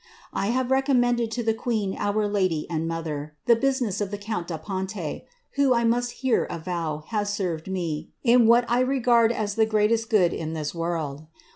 I have recommended to the queen, our lady and mother, the business of the count da Ponte, who, I must here avow, has served me, in what I regard as the greatest good in tfiis m'orld.